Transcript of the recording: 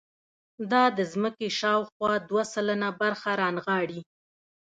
دا د ځمکې شاوخوا دوه سلنه برخه رانغاړي.